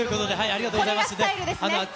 ありがとうございます。